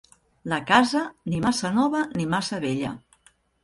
La casa, ni massa nova ni massa vella.